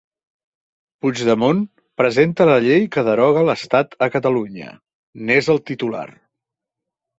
Puigdemont presenta la llei que deroga l’estat a Catalunya, n’és el titular.